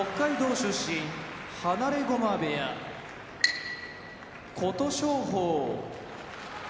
出身放駒部屋琴勝峰